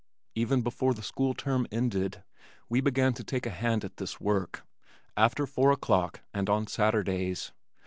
Even before the school term ended we began to take a hand at this work, after four o'clock and on Saturdays.